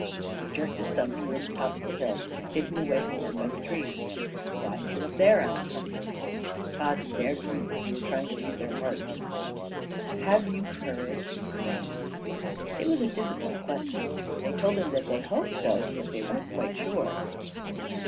He jerked his thumb toward the top of the hill, hidden away from them by the trees. "Why is it up there?" asked Cuthbert. Tod stared at them as if he were trying to read their hearts. "Have you courage?" he asked. It was a difficult question. They told him that they hoped so, but that they weren't quite sure.